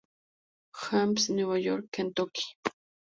James, New York, Kentucky.